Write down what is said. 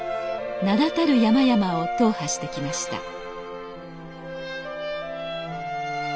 名だたる山々を踏破してきました